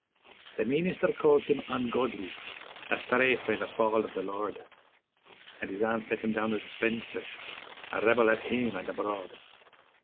The meenister called him 'ungodly a stray frae the fauld o' the Lord', And his aunt set him down as a spendthrift, 'a rebel at hame and abroad'.